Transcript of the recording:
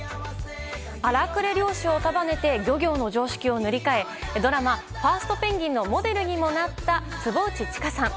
荒くれ漁師を束ねて漁業の常識を塗り替えドラマ「ファーストペンギン！」のモデルにもなった坪内知佳さん。